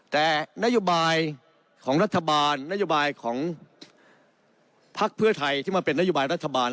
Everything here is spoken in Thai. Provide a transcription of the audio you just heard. แต่นโยบายของรัฐบาลนโยบายของพักเพื่อไทยที่มาเป็นนโยบายรัฐบาล